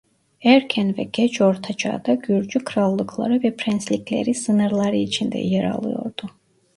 Erken ve geç ortaçağda Gürcü krallıkları ve prenslikleri sınırları içinde yer alıyordu.